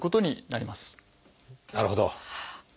なるほど。